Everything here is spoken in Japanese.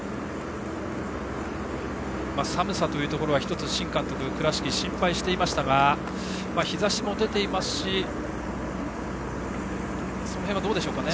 寒さというところは１つ、新監督倉敷、心配していましたが日ざしも出ていますしその辺はどうでしょうかね。